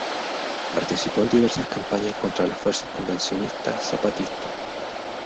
Participó en diversas campañas contra las fuerzas convencionistas-zapatistas.